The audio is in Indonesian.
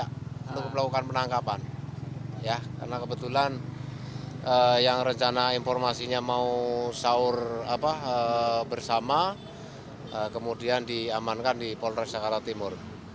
untuk melakukan penangkapan karena kebetulan yang rencana informasinya mau sahur bersama kemudian diamankan di polres jakarta timur